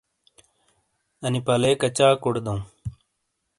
انی پَلے کَچاکوڑے دَوں؟